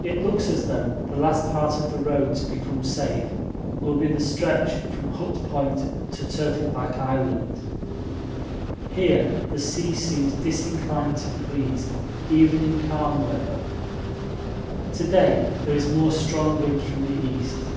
It looks as though the last part of the road to become safe will be the stretch from Hut Point to Turtleback Island. Here the sea seems disinclined to freeze even in calm weather. To day there is more strong wind from the east.